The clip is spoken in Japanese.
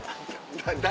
誰？